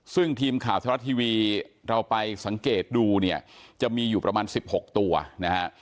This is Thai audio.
ซึ่งทีมข่าวธรรมรัฐทีวีเราไปสังเกตดูเนี่ยจะมีอยู่ประมาณ๑๖ตัวนะฮะ